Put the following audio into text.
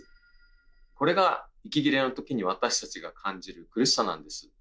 これが息切れのときに私たちが感じる苦しさなんです。